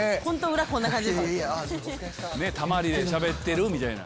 裏こんな感じ。